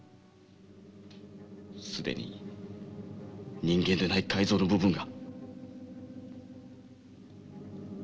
既に人間でない改造の部分が。